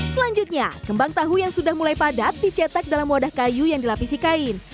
selanjutnya kembang tahu yang sudah mulai padat dicetak dalam wadah kayu yang dilapisi kain